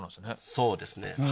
そうですね。